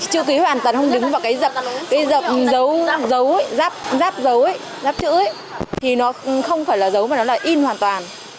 chữ ký hoàn toàn không đứng vào cái dập dấu dắp dấu dắp chữ thì nó không phải là dấu mà nó là in hoàn toàn